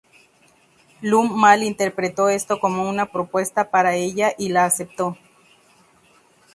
Lum mal interpretó esto como una propuesta para ella y la aceptó.